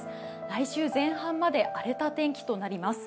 来週前半まで荒れた天気となります。